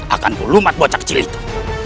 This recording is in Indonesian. akan ku lumat bocah kecil itu